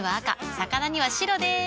魚には白でーす。